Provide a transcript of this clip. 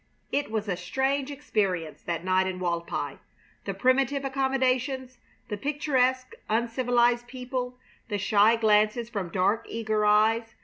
It was a strange experience, that night in Walpi: the primitive accommodations; the picturesque, uncivilized people; the shy glances from dark, eager eyes.